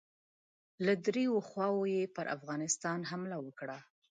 د دریو خواوو یې پر افغانستان حمله وکړه.